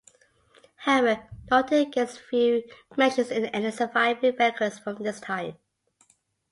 However, Norton gets few mentions in any surviving records from this time.